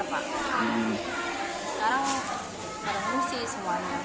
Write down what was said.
sekarang kita mengungsi semuanya